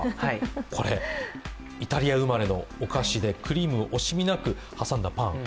これ、イタリア生まれのお菓子でクリームを惜しみなく挟んだパン。